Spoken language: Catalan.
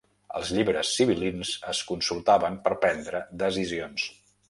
Els llibres sibil·lins es consultaven per prendre decisions.